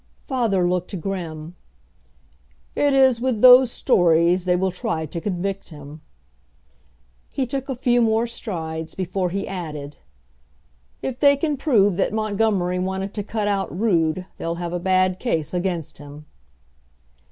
Father looked grim. "It is with those stories they will try to convict him." He took a few more strides before he added, "If they can prove that Montgomery wanted to cut out Rood they'll have a bad case against him."